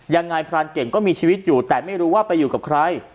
พรานเก่งก็มีชีวิตอยู่แต่ไม่รู้ว่าไปอยู่กับใคร